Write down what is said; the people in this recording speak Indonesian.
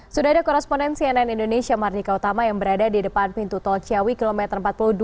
sudah ada koresponen cnn indonesia mardika utama yang berada di depan pintu tol ciawi kilometer empat puluh dua